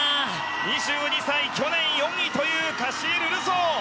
２２歳、去年４位というカシエル・ルソー！